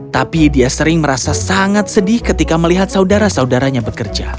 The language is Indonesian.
tapi dia sering merasa sangat sedih ketika melihat saudara saudaranya bekerja